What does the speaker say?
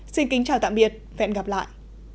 xin kính chào tạm biệt và hẹn gặp lại